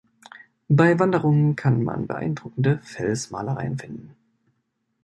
Bei Wanderungen kann man beeindruckende Felsmalereien finden.